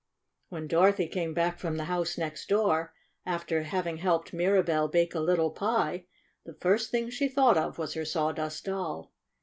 When Dorothy came back from the house next door, after having helped Mira bell bake a little pie, the first thing she thought of was her Sawdust Doll.